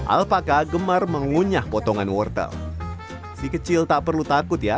alpaka gemar mengunyah potongan wortel si kecil tak perlu takut ya